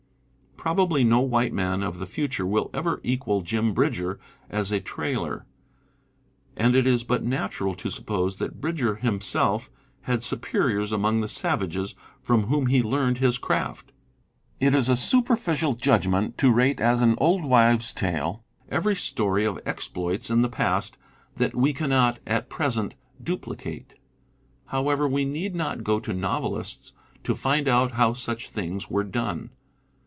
Probably no white man of the future will ever equal Jim Bridger as a trailer ; and it is but natural to suppose that Bridger himself had superiors among the savages from whom he learned his craft. It is a superficial judgment to rate as an old wives' tale every story of exploits in the past that we cannot at present duplicate. However, we need not go to novelists to find out how such things were done.